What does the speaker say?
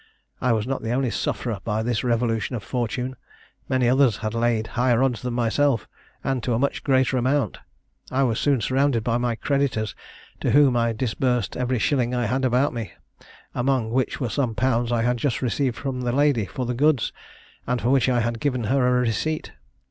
I was not the only sufferer by this revolution of fortune; many others had laid higher odds than myself, and to a much greater amount. I was soon surrounded by my creditors, to whom I disbursed every shilling I had about me, among which were some pounds I had just received from the lady for goods, and for which I had given her a receipt.